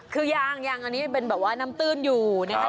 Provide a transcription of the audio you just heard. คือยังอันนี้เป็นน้ำตื้นอยู่นะครับ